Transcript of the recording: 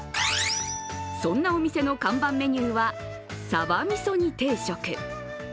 そんなお店の看板メニューはさばみそ煮定食。